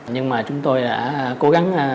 nhưng mà chúng tôi đã cố gắng